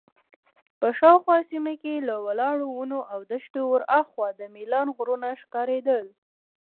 په شاوخوا سیمه کې له ولاړو ونو او دښتې ورهاخوا د میلان غرونه ښکارېدل.